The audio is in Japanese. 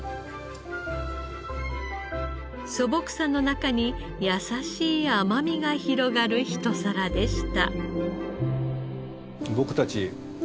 素朴さの中に優しい甘みが広がるひと皿でした。